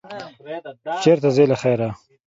چېرته ځې، له خیره؟